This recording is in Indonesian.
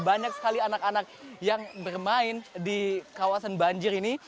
banyak sekali anak anak yang bermain di kawasan banjir ini